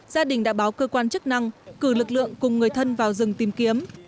gia đình đã báo cơ quan chức năng cử lực lượng cùng người thân vào rừng tìm kiếm